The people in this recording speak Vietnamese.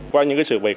qua những cái sự việc